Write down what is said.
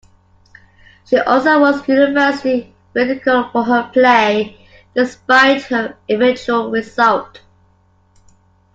She also was universally ridiculed for her play, despite her eventual result.